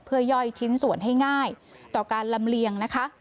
เพื่อย่อยชิ้นส่วนให้ง่ายต่อการลำเลียงนะคะ